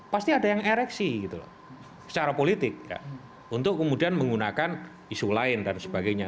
pasti ada yang ereksi gitu loh secara politik untuk kemudian menggunakan isu lain dan sebagainya